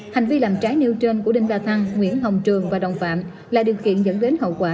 hành vi làm trái nêu trên của đinh la thăng nguyễn hồng trường và đồng phạm là điều kiện dẫn đến hậu quả